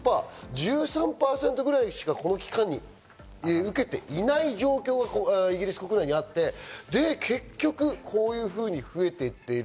１３％ぐらいしかこの期間に増えていない状況が国内にあって、で、結局、こういうふうに増えていっている。